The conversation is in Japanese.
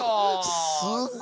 すごい。